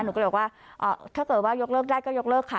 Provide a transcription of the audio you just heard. หนูก็เลยบอกว่าถ้าเกิดว่ายกเลิกได้ก็ยกเลิกค่ะ